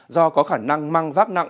do có khả năng mang vác